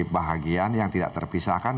bahagian yang tidak terpisahkan